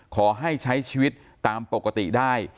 ขอให้ใช้ชีวิตตามปกติได้